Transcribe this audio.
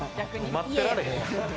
待ってられへん。